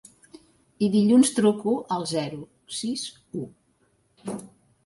I dilluns truco al zero sis u.